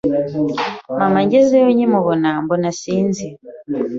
mama ngezeyo nkimubona mbona sinzi